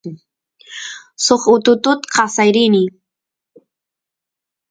suk ututut kasay rini